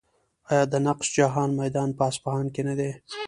آیا د نقش جهان میدان په اصفهان کې نه دی؟